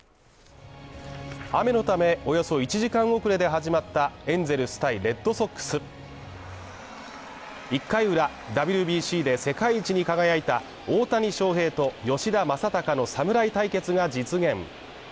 雨のため、およそ１時間遅れで始まったエンゼルス対レッドソックス１回裏、ＷＢＣで世界一に輝いた大谷翔平と吉田正尚の侍対決が実現。